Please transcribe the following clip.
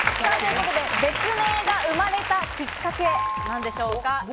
別名が生まれたきっかけ、なんでしょうか？